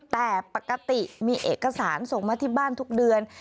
แต่ปกติมีเอกสารส่งมาที่บ้านทุกเดือน